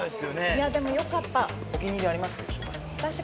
いやでもよかった。